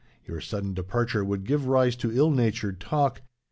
Your sudden departure would give rise to ill natured talk.